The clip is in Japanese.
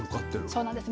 そうなんです。